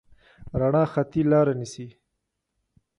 رڼا خطي لاره نیسي.